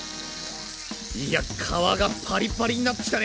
いや皮がパリパリになってきたね。